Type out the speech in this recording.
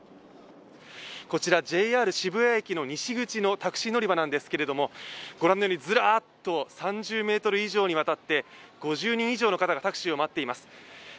こちらＪＲ渋谷駅西口のタクシー乗り場なんですけれども、ご覧のようにずらっと３０ｍ以上にわたって５０人以上の方がタクシーを待っています。